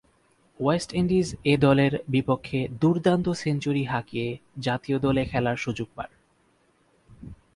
West Indies এ দলের বিপক্ষে দূর্দান্ত সেঞ্চুরি হাঁকিয়ে জাতীয় দলে খেলার সুযোগ পান।